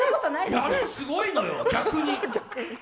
あれはすごいのよ、逆に。